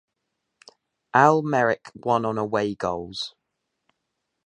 Al Merrikh won on away goals.